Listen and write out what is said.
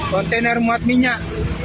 kontainer muat minyak